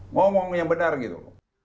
ngomong yang benar gitu